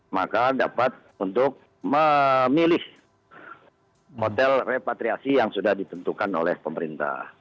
maka dapat untuk memilih hotel repatriasi yang sudah ditentukan oleh pemerintah